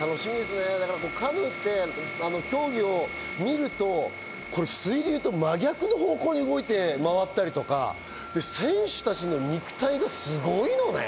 カヌーって競技を見ると水流と間逆の方向に動いて回ったりとか選手たちの肉体がすごいのね。